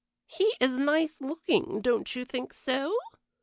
"He is nice looking, don't you think so?"